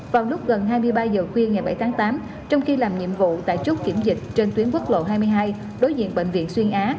vào lúc gần hai mươi ba giờ khuya ngày bảy tháng tám trong khi làm nhiệm vụ tại chốt kiểm dịch trên tuyến quốc lộ hai mươi hai đối diện bệnh viện xuyên á